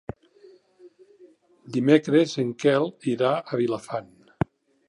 Dimecres en Quel irà a Vilafant.